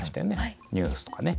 「ニュース」とかね。